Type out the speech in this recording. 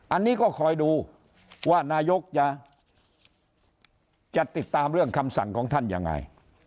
อันนี้ก็คอยดูว่านายกจะติดตามเรื่องคำสั่งของท่านยังไง